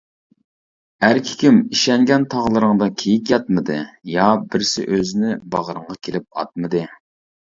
ئەركىكىم ئىشەنگەن تاغلىرىڭدا كېيىك ياتمىدى، يا بىرسى ئۆزىنى باغرىڭغا كېلىپ ئاتمىدى.